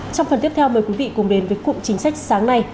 trong phần tiếp theo mời quý vị cùng đến với cụm chính sách sáng nay